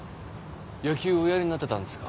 野球おやりになってたんですか？